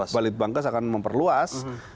balit bankes akan memperluas